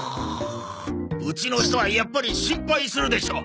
うちの人はやっぱり心配するでしょう！